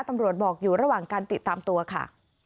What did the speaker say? ตำรวจบอกอยู่ระหว่างการติดตามตัวค่ะ